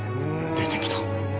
出てきた！